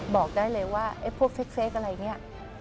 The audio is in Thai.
บอกได้เลยว่าพวกเฟคอะไรนี้